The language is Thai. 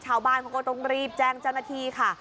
ชาวบ้านเขาก็ต้องรีบแจ้งเจ้าหน้าที่ค่ะ